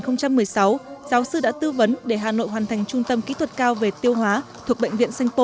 năm hai nghìn một mươi sáu giáo sư đã tư vấn để hà nội hoàn thành trung tâm kỹ thuật cao về tiêu hóa thuộc bệnh viện sanh pô